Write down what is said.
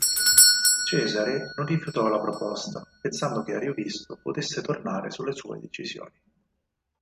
Cesare non rifiutò la proposta, pensando che Ariovisto potesse tornare sulle sue decisioni.